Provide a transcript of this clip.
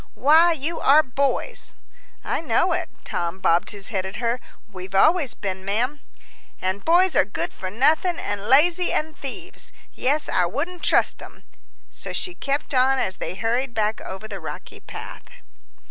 Why, you are boys!" "I know it." Tom bobbed his head at her. "We've always been, ma'am." "An' boys are good for nothing, an' lazy, an' thieves yes, I wouldn't trust 'em." So she kept on as they hurried back over the rocky path.